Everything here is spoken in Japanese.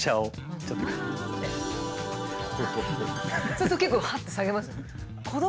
そうすると結構ハッて下げますよ。